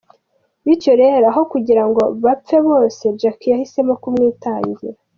Bityo rero aho kugirango bapfe bose Jack yahisemo kumwitangira” .